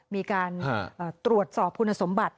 มีการตรวจสอบคุณสมบัติ